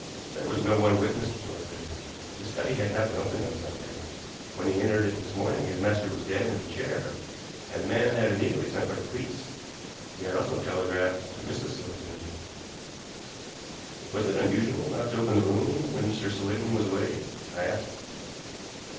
There was no one with Mr. Seligmann. The study had not been opened on Sunday. When he entered it this morning his master was dead in the chair, and the man had immediately sent for the police. He had also telegraphed to Mrs. Seligmann. "Was it usual not to open the room when Mr. Seligmann was away?" I asked.